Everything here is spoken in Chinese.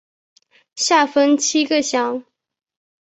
下分七个乡。